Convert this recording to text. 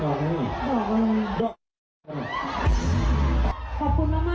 ขอบคุณที่กล้ามอบให้แล้วก็เราก็กล้ารับนะคะ